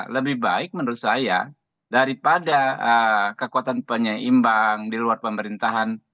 lebih baik menurut saya daripada kekuatan penyeimbang di luar pemerintahan